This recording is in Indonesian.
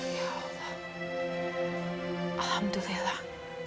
ya allah alhamdulillah